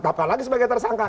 tetapkan lagi sebagai tersangka